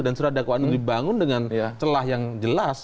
dan surat dakwaan itu dibangun dengan celah yang jelas